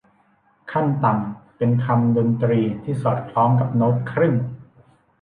ขั้นต่ำเป็นคำดนตรีที่สอดคล้องกับโน๊ตครึ่ง